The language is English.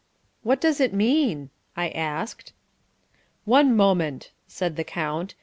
"What does it mean?" I asked. "One moment," said the count.